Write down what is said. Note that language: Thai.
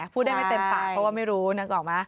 พูดได้ไม่เต็มปากเพราะว่าไม่รู้นึกออกไหม